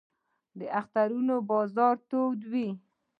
د اخترونو بازار تود وي